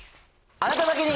あなただけに！